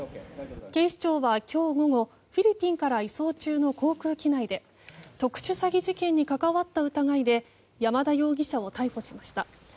警視庁は今日午後フィリピンから移送中の航空機内で特殊詐欺事件に関わった疑いで山田容疑者を逮捕しました。